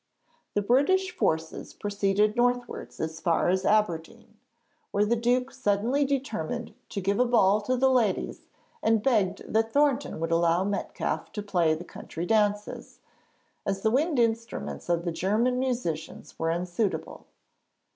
The British forces proceeded northwards as far as Aberdeen, where the Duke suddenly determined to give a ball to the ladies and begged that Thornton would allow Metcalfe to play the country dances, as the wind instruments of the German musicians were unsuitable.